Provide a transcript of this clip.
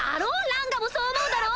ランガもそう思うだろ？